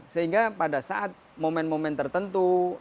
sehingga pada saat momen momen tertentu